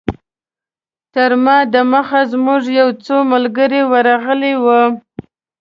تر ما دمخه زموږ یو څو ملګري ورغلي وو.